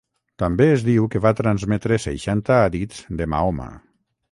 També es diu que va transmetre seixanta hadits de Mahoma.